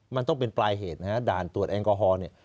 มันต้องเป็นปลายเหตุนะฮะด่านตรวจแอลกอฮอล์เนี่ย